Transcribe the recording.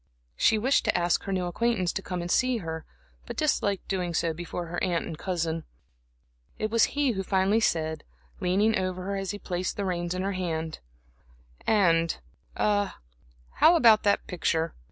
She wished to ask her new acquaintance to come to see her, but disliked doing so before her aunt and cousin. It was he who finally said, leaning over her as he placed the reins in her hand: "And a how about that picture?